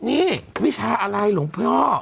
นี่วิชาอะไรหลวงพ่อ